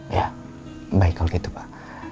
ya baik kalau gitu pak